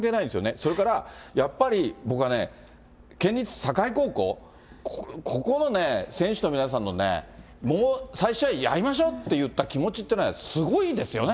それからやっぱり僕はね、県立境高校、ここのね、選手の皆さんのね、最初はやりましょうって言った気持ちってね、すごいですよね。